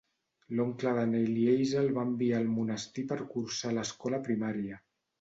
L'oncle de n'Eleazar el va enviar al monestir per cursar l'escola primària.